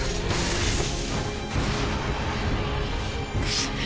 くっ！